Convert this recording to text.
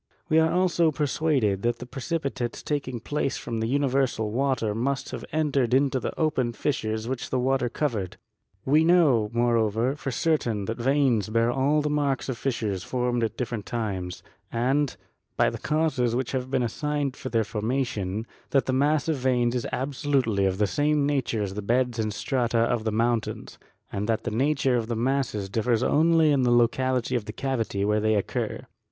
We are also persuaded that the pre cipitates taking place from the universal water must have entered into the open fissures which the water covered. We know, moreover, for certain that veins bear all the marks of fissures formed at different times; and, by the 56 GEOLOGY causes which have been assigned for their formation, that the mass of veins is absolutely of the same nature as the beds and strata of mountains, and that the nature of the masses differs only according to the locality of the cavity where they occur.